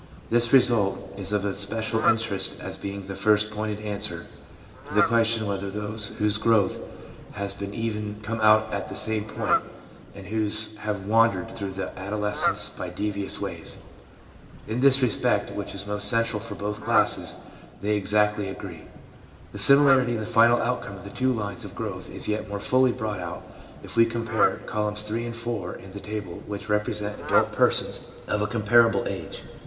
This result is of especial interest as being the first pointed answer to the question whether those whose growth has been even come out at the same point as those who have wandered through adolescence by devious ways. In this respect, which is most central for both classes, they exactly agree. The similarity in the final outcome of the two lines of growth is yet more fully brought out if we compare columns three and four in the table which represent adult persons of a comparable age.